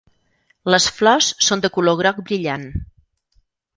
Les flors són de color groc brillant.